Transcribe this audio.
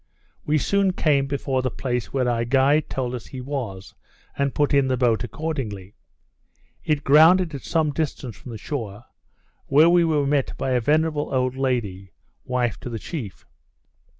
We soon came before the place where our guide told us he was, and put in the boat accordingly. It grounded at some distance from the shore, where we were met by a venerable old lady, wife to the chief.